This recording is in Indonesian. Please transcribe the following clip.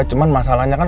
cuman masalahnya kan